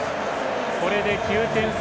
これで９点差。